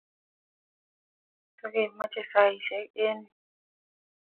Tegimache saishek eng yuu